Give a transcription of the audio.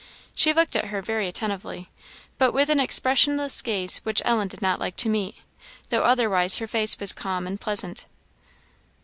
She looked at her very attentively, but with an expressionless gaze which Ellen did not like to meet, though otherwise her face was calm and pleasant.